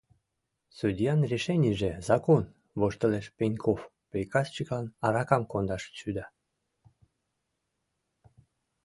— Судьян решенийже — закон, — воштылеш Пеньков приказчиклан аракам кондаш шӱда.